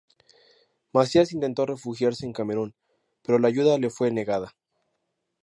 Macías intentó refugiarse en Camerún, pero la ayuda le fue negada.